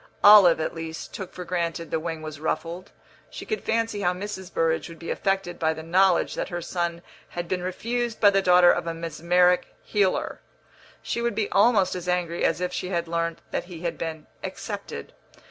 (Olive, at least, took for granted the wing was ruffled; she could fancy how Mrs. Burrage would be affected by the knowledge that her son had been refused by the daughter of a mesmeric healer. She would be almost as angry as if she had learnt that he had been accepted.)